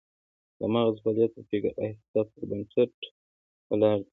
د مغز فعالیت د فکر او احساساتو پر بنسټ ولاړ دی